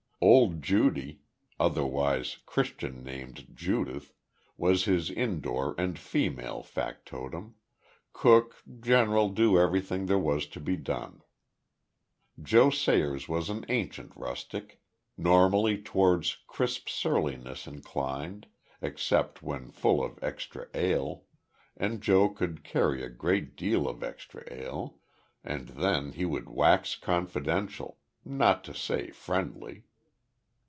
Old Judy otherwise Christian named Judith was his indoor and female factotum; cook, general do everything there was to be done. Joe Sayers was an ancient rustic, normally towards crisp surliness inclined, except when full of extra ale and Joe could carry a great deal of extra ale and then he would wax confidential, not to say friendly.